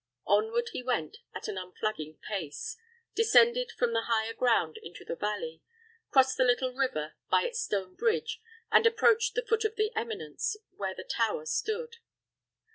Onward he went at an unflagging pace, descended from the higher ground into the valley, crossed the little river by its stone bridge, and approached the foot of the eminence where the tower stood.